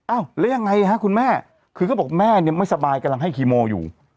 แล้วยังไงฮะคุณแม่คือก็บอกแม่เนี่ยไม่สบายกำลังให้คีโมอยู่